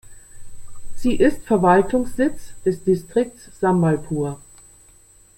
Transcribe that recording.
Sie ist Verwaltungssitz des Distrikts Sambalpur.